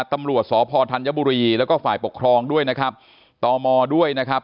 ตำรวจสพธัญบุรีแล้วก็ฝ่ายปกครองด้วยนะครับตมด้วยนะครับ